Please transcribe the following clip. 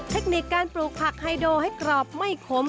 เทคนิคการปลูกผักไฮโดให้กรอบไม่ขม